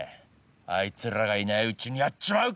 あいつらがいないうちにやっちまうか！